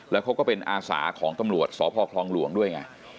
แล้วเขาก็เป็นอาสาของตำรวจสพคลองหลวงด้วยไง